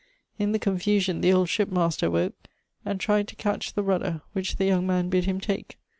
In the confusion the old ship master woke, and tried to catch the rudder, which the young man bid him take.